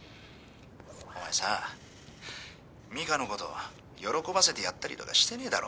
お前さミカのこと喜ばせてやったりとかしてねえだろ。